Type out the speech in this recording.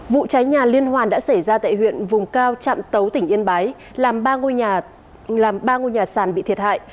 vụ cháy nhà liên hoàn đã xảy ra tại huyện vùng cao trạm tấu tỉnh yên bái làm ba ngôi nhà sàn bị thiệt hại